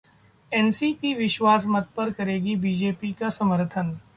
NCP विश्वास मत पर करेगी बीजेपी का समर्थन!